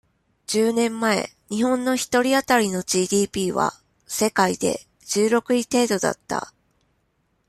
十年前、日本の一人当たりの ＧＤＰ は、世界で、十六位程度だった。